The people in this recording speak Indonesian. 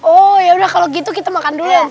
oh yaudah kalo gitu kita makan dulu ya mpok